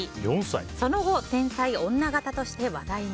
その後、天才女形として話題に。